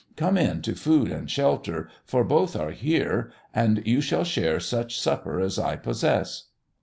Come in to food and shelter, for both are here, and you shall share such supper as I possess."